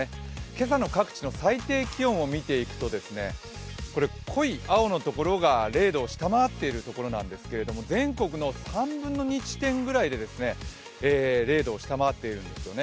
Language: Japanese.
今朝の各地の最低気温を見ていくと、濃い青のところが０度を下回っているところですが、全国の３分の２地点で０度を下回っているんですよね。